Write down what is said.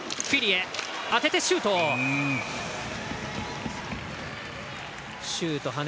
フィリエ、シュート。